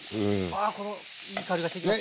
ああいい香りがしてきました。